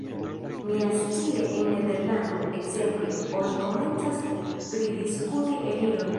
Miascie en Nederlando, ekzemple, oni komencas pridiskuti eliron.